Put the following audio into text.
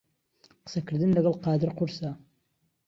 قسەکردن لەگەڵ قادر قورسە.